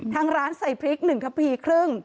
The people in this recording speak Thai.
ทางร้านใส่พริก๑ทับพีครึ่ง